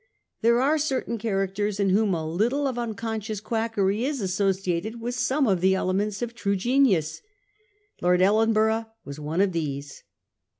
There are certain characters in which a little of unconscious quackery is associated with some of the elements of true genius. Lord Ellenborough was one of these.